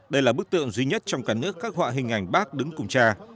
đây là bức tượng duy nhất trong cả nước khắc họa hình ảnh bác đứng cùng cha